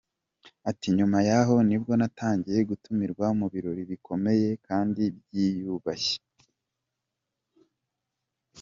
Ati “Nyuma yaho nibwo natangiye gutumirwa mu birori bikomeye kandi byiyubashye.